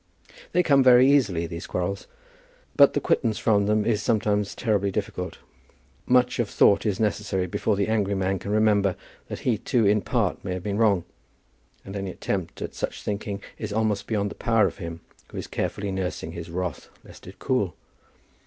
They come very easily, these quarrels, but the quittance from them is sometimes terribly difficult. Much of thought is necessary before the angry man can remember that he too in part may have been wrong; and any attempt at such thinking is almost beyond the power of him who is carefully nursing his wrath, lest it cool!